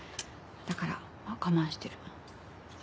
だからまあ我慢してる。